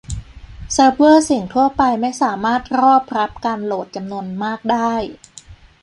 เซิร์ฟเวอร์เสียงทั่วไปไม่สามารถรอบรับการโหลดจำนวนมากได้